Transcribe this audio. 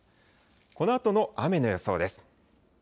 このあとの雨の予想です。